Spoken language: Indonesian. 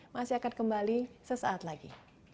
masih akan kembali sesaat lagi